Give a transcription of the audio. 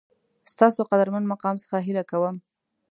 ستاسو قدرمن مقام څخه هیله کوم